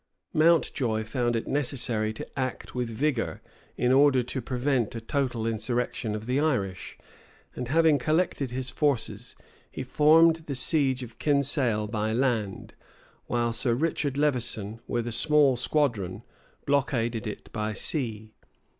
[*] Mountjoy found it necessary to act with vigor, in order to prevent a total insurrection of the Irish; and having collected his forces, he formed the siege of Kinsale by land, while Sir Richard Levison, with a small squadron, blockaded it by sea.